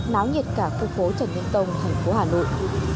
náo nhiệt cả khu phố trần nhân tông thành phố hà nội